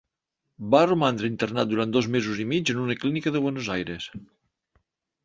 Va romandre internat durant dos mesos i mig en una clínica de Buenos Aires.